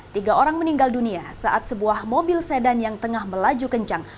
tiga orang meninggal dunia saat sebuah mobil sedan yang tengah melaju kencang